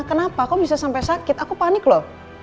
kenapa kok bisa sampai sakit aku panik lho